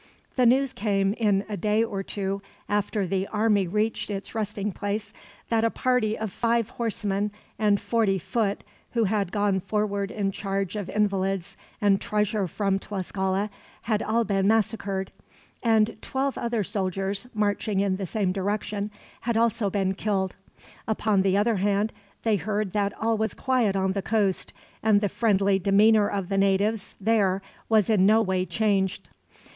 The news came, in a day or two after the army reached its resting place, that a party of five horsemen and forty foot, who had gone forward in charge of invalids and treasure from Tlascala, had all been massacred; and twelve other soldiers, marching in the same direction, had also been killed. Upon the other hand, they heard that all was quiet on the coast; and the friendly demeanor of the natives, there, was in no way changed.